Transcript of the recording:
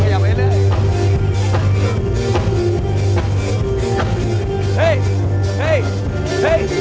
เห้ยเห้ยเห้ยเห้ย